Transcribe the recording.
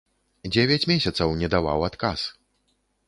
Дзевяць месяцаў не даваў адказ!